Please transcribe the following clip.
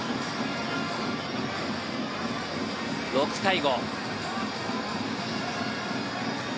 ６対５。